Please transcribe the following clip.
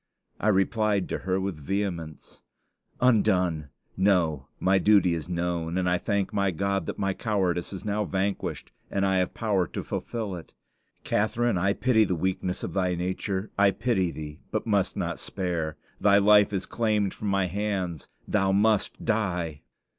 I replied to her with vehemence: "Undone! No; my duty is known, and I thank my God that my cowardice is now vanquished and I have power to fulfill it. Catharine, I pity the weakness of thy nature; I pity thee, but must not spare. Thy life is claimed from my hands; thou must die!"